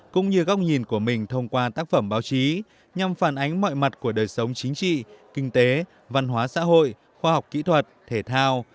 cũng như góc nhìn của mình thông qua tác phẩm báo chí nhằm phản ánh mọi mặt của đời sống chính trị kinh tế văn hóa xã hội khoa học kỹ thuật thể thao